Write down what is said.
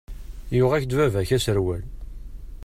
Yuɣ-ak-d baba-k aserwal.